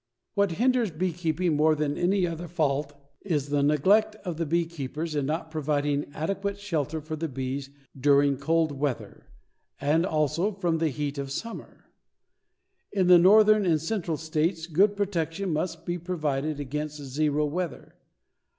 What hinders beekeeping more than any other fault is the neglect of the beekeepers in not providing adequate shelter for the bees during cold weather, and also from the heat of summer. In the Northern and Central states good protection must be provided against zero weather.